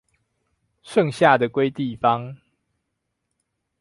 剩下的歸地方